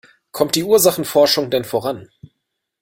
Kommt die Ursachenforschung denn voran?